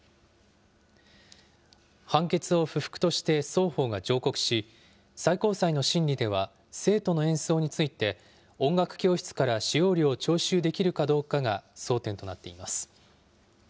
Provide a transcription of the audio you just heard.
判決を不服として双方が上告し、最高裁の審理では生徒の演奏について音楽教室から使用料を徴収できるかどうかが争点となっています。